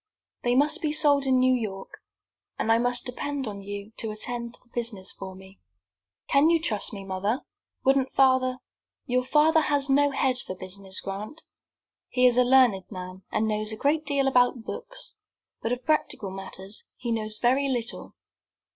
"They must be sold in New York, and I must depend upon you to attend to the business for me." "Can you trust me, mother? Wouldn't father " "Your father has no head for business, Grant. He is a learned man, and knows a great deal about books, but of practical matters he knows very little.